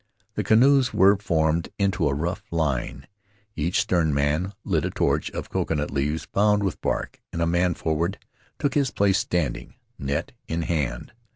The canoes were formed into a rough line; each stern man lit a torch of coconut leaves bound with bark, and a man forward took his place standing — net in hand.